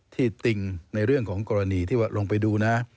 ติงในเรื่องของกรณีที่ว่าลองไปดูนะ